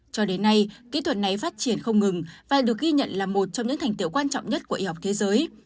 cho đến nay kỹ thuật này phát triển không ngừng và được ghi nhận là một trong những thành tiệu quan trọng nhất của y học thế giới